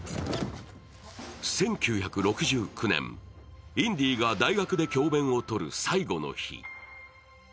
１９６９年、インディが大学で教べんをとる最後の日。